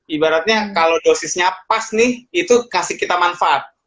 ibaratnya kalau dosisnya pas nih itu kasih kita manfaat